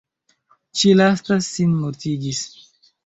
Ĉi lasta sin mortigis.